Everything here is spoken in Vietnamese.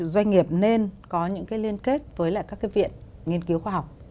doanh nghiệp nên có những cái liên kết với lại các cái viện nghiên cứu khoa học